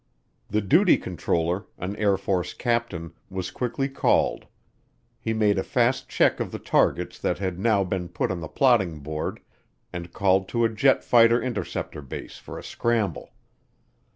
The duty controller, an Air Force captain, was quickly called; he made a fast check of the targets that had now been put on the plotting board and called to a jet fighter interceptor base for a scramble.